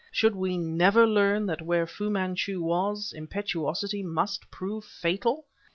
Should we never learn that where Fu Manchu was, impetuosity must prove fatal?